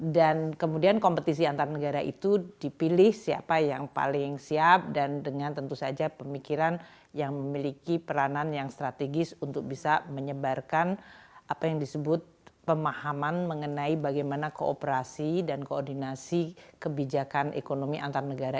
dan kemudian kompetisi antar negara itu dipilih siapa yang paling siap dan dengan tentu saja pemikiran yang memiliki peranan yang strategis untuk bisa menyebarkan apa yang disebut pemahaman mengenai bagaimana kooperasi dan koordinasi kebijakan ekonomi antar negara